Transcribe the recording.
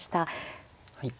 はい。